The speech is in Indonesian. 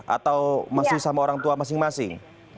atau masih sama orang tua masing masing